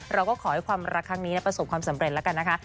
เราก็ขอให้ความรักครั้งนี้ประสบความสำเร็จแล้วกันนะคะ